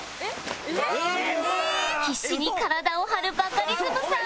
必死に体を張るバカリズムさん